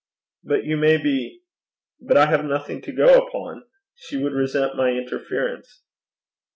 'But you may be . But I have nothing to go upon. She would resent my interference.'